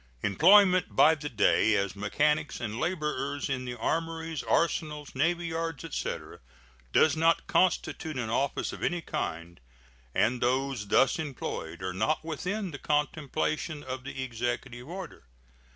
Employment by the day as mechanics and laborers in the armories, arsenals, navy yards, etc., does not constitute an office of any kind, and those thus employed are not within the contemplation of the Executive order.